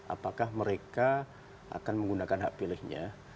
apakah mereka akan menggunakan hak pilihnya